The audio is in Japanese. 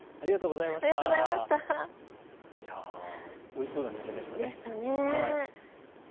おいしそうなにんじんでしたね。